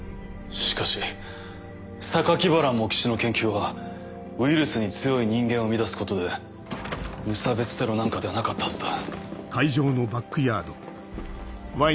しかし原茂吉の研究はウイルスに強い人間を生み出すことで無差別テロなんかではなかったはずだ。